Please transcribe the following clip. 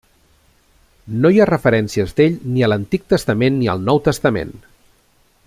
No hi ha referències d'ell ni a l'Antic Testament ni al Nou Testament.